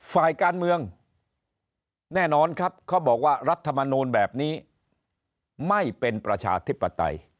ฝ่ายการเมืองแน่นอนครับเขาบอกว่ารัฐมนูลแบบนี้ไม่เป็นประชาธิปไตย